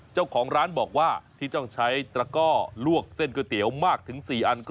เจ้าของร้านบอกว่าที่ต้องใช้ตระก้อลวกเส้นก๋วยเตี๋ยวมากถึง๔อัน